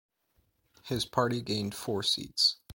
His party gained four seats.